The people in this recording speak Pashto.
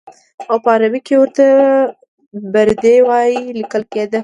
او په عربي کې ورته بردي وایي لیکل کېده.